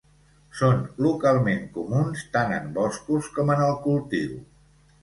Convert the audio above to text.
Són localment comuns tant en boscos com en el cultiu.